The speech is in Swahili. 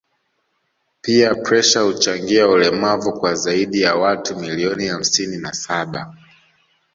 pia presha huchangia ulemavu kwa zaidi ya watu milioni hamsini na saba